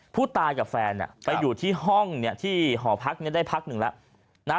ผู้ตายกับแฟนไปอยู่ที่ห้องเนี่ยที่หอพักนี้ได้พักหนึ่งแล้วนะฮะ